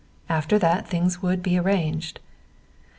After that things would be arranged.